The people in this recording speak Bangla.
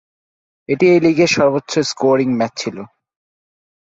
এটি এই লীগের সর্বোচ্চ 'স্কোরিং' ম্যাচ ছিল।